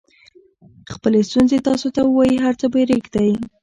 خپلې ستونزې تاسو ته ووایي هر څه پرېږدئ.